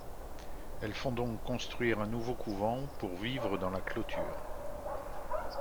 Elles font donc construire un nouveau couvent pour vivre dans la clôture.